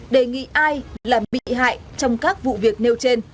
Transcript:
đề nghị ai làm bị hại trong các vụ việc nêu trên